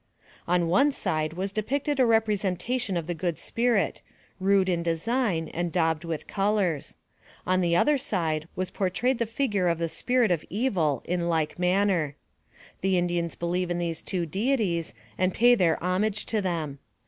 On one side was depicted a representation of the Good Spirit, rude in design, and daubed with colors. On the other side was portrayed the figure of the spirit of evil in like manner. The Indians believe in these two deities and pay their homage to them.